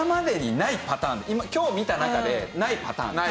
今日見た中でないパターンです。